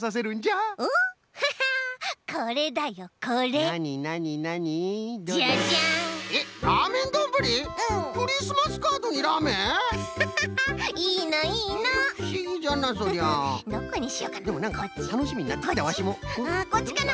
あこっちかな？